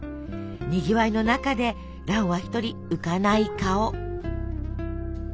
にぎわいの中で蘭は一人浮かない顔。